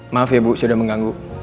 maaf ya bu saya udah mengganggu